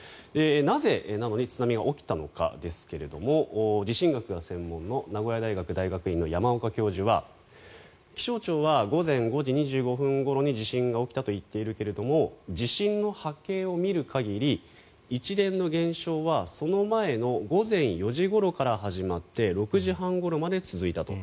なぜなのに津波が起きたのかですが地震学が専門の名古屋大学大学院の山岡教授は気象庁は午前５時２５分ごろに地震が起きたと言っているけども地震の波形を見る限り一連の現象はその前の午前４時ごろから始まって６時半ごろまで続いたと。